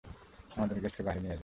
আমাদের গেস্টকে বাহিরে নিয়ে যাও।